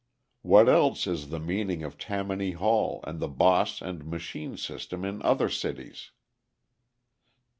What else is the meaning of Tammany Hall and the boss and machine system in other cities?